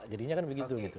jadinya kan begitu begitu